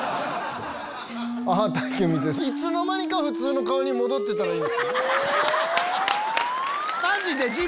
いつの間にか普通の顔に戻ってたらいい。